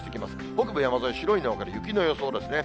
北部山沿い、白いのが雪の予想ですね。